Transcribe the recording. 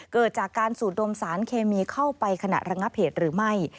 เกิดจากการสูดดมสารเคมีเข้าไปขณะระงับเหตุหรือไม่